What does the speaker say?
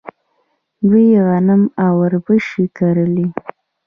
دوی غنم او وربشې کري.